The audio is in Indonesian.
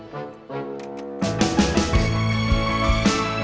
ntar kita ke rumah sakit